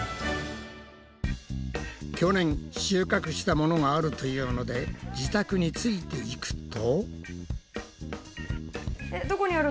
去年収穫したものがあるというので自宅についていくと。